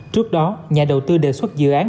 trước đó nhà đầu tư đề xuất dự án